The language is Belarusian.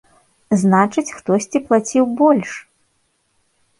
Значыць, хтосьці плаціў больш!